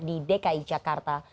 di dki jakarta